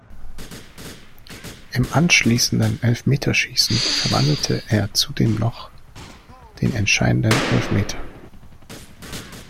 Im anschließenden Elfmeterschießen verwandelte er zudem noch den entscheidenden Elfmeter.